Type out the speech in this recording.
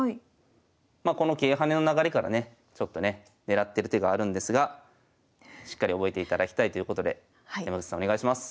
まあこの桂跳ねの流れからねちょっとね狙ってる手があるんですがしっかり覚えていただきたいということで山口さんお願いします。